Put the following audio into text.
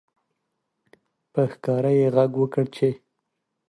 په ښکاره یې غږ وکړ چې